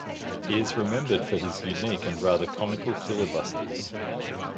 He is remembered for his unique and rather comical filibusters.